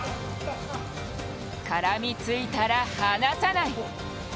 絡みついたら、離さない。